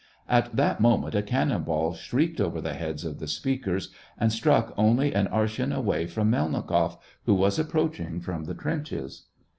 At that moment, a cannon ball shrieked over the heads of the speakers, and struck only an arshin away from Melnikoff, who was approaching them from the trenches.